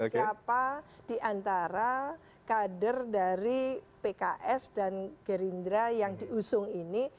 siapa di antara kader dari pks dan gerindra yang diusung ini